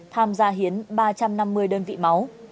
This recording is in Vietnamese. tham gia hiến ba trăm năm mươi đơn vị máu